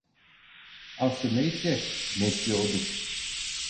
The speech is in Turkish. Aslı neyse nesli odur.